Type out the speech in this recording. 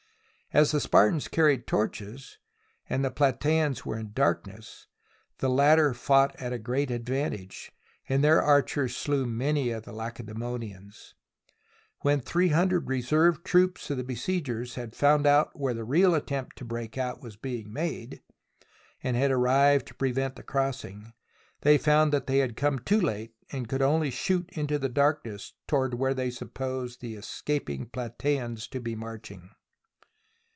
As the Spartans carried torches, and the Platgeans were in darkness, the latter fought at a great ad vantage, and their archers slew many of the Lace daemonians. When the three hundred reserve troops of the besiegers had found out where the real at tempt to break out was being made, and had ar rived to prevent the crossing, they found they had come too late and could only shoot into the darkness toward where they supposed the escaping Platgeans to be marching.